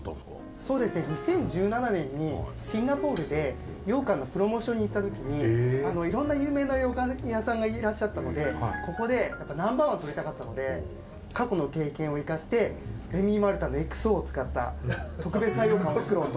そうですね２０１７年に、シンガポールで羊羹のプロモーションに行った時にいろんな有名な羊羹屋さんがいらっしゃったのでここでナンバーワンを取りたかったので過去の経験を生かしてＲＥＭＹＭＡＲＴＩＮのＸＯを使った特別な羊羹を作ろうと。